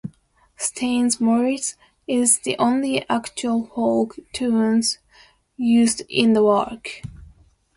"Staines Morris" is the only actual folk tune used in the work.